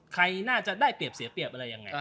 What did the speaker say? ใครน่าจะได้เปรียบเสียเปรียบอะไรยังไง